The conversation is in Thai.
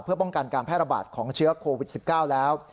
เพื่อป้องกันการแพร่ระบาดของเชื้อโควิด๑๙แล้ว